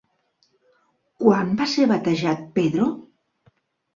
Quan va ser batejat Pedro?